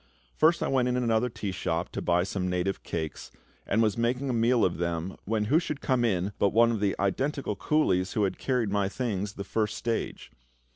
First I went into another tea shop to buy some native cakes, and was making a meal of them when who should come in but one of the identical coolies who had carried my things the first stage.